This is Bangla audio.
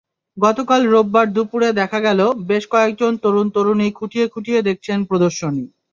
গতকাল রোববার দুপুরে দেখা গেল, বেশ কয়েকজন তরুণ-তরুণী খুঁটিয়ে খুঁটিয়ে দেখছেন প্রদর্শনী।